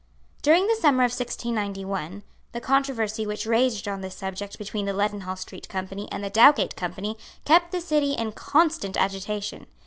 During the summer of 1691, the controversy which raged on this subject between the Leadenhall Street Company and the Dowgate Company kept the City in constant agitation.